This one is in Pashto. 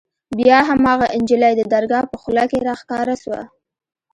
بيا هماغه نجلۍ د درګاه په خوله کښې راښکاره سوه.